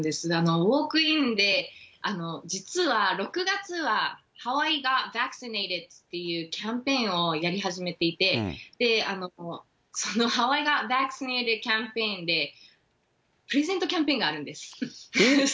ウォークインで実は６月はハワイがっていうキャンペーンをやり始めていて、そのキャンペーンで、プレゼントキャンペーンがあるんです。